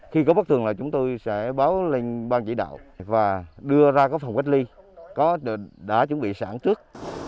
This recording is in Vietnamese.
khi có bất thường là chúng tôi sẽ báo lên ban chỉ đạo và đưa ra các phòng cách ly đã chuẩn bị sẵn trước